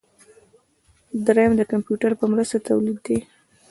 دریم د کمپیوټر په مرسته تولید دی.